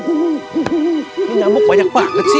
hmm ini nyamuk banyak banget sih